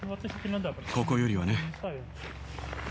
ここよりはね。